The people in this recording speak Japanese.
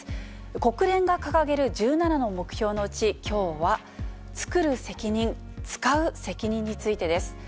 国連が掲げる１７の目標のうち、きょうは、つくる責任・つかう責任についてです。